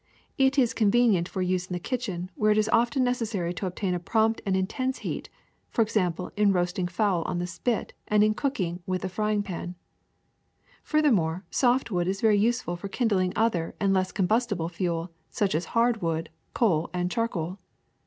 It is convenient for use in the kitchen, where it is often necessary to obtain a prompt and intense heat, for example in roasting fowl on the spit and in cook ing with the frying pan. Furthermore, soft wood is very useful for kindling other and less combustible fuel, such as hard wood, coal, and charcoal.